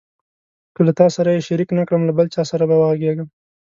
که له تا سره یې شریک نه کړم له بل چا سره به وغږېږم.